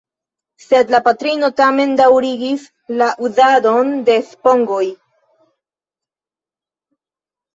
Sed la patrino tamen daŭrigis la uzadon de spongoj.